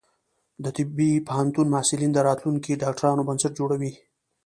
د طبی پوهنتون محصلین د راتلونکي ډاکټرانو بنسټ جوړوي.